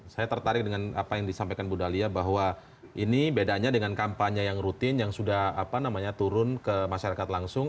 saya tertarik dengan apa yang disampaikan bu dalia bahwa ini bedanya dengan kampanye yang rutin yang sudah turun ke masyarakat langsung